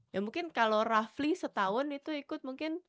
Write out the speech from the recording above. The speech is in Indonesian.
ya mungkin kalo roughly setahun itu ikut mungkin